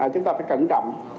chúng ta phải cẩn trọng